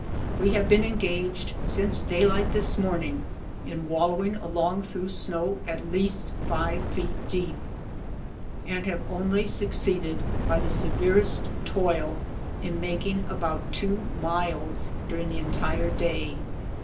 We have been engaged since daylight this morning in wallowing along through snow at least five feet deep, and have only succeeded, by the severest toil, in making about two miles during the entire day.